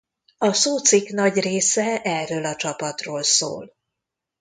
A szócikk nagy része erről a csapatról szól.